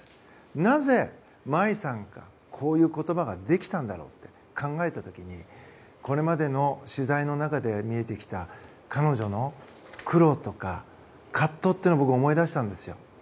なぜ、茉愛さんがこういうことができたんだろうと考えた時にこれまでの取材の中で見えてきた彼女の苦労とか葛藤というのを僕は思い出したんですよ。